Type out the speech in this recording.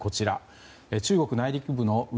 中国内陸部の内